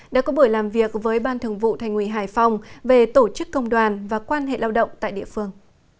đã có buổi làm việc với ban thường vụ thành ủy hải phòng về tổ chức công đoàn và quan hệ lao động tại địa phương